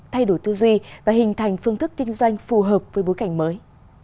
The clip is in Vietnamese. thay đổi tư duy và hình thành phương thức kinh doanh phù hợp với bối cảnh mới